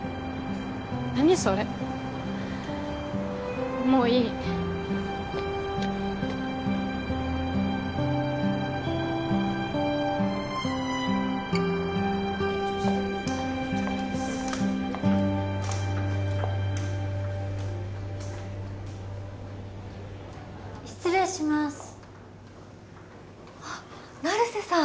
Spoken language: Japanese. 何それもういい失礼しますあっ成瀬さん